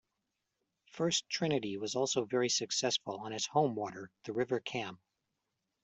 First Trinity was also very successful on its home water, the River Cam.